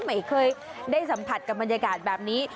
ไม่เคยได้สัมผัสกับบรรยากาศแบบนี้